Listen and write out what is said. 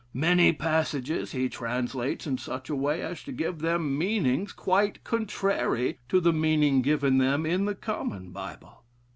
Many passages he translates in such a way as to give them meanings quite contrary to the meaning given them in the common Bible.